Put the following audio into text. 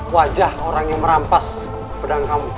wajah orang yang merampas pedang kamu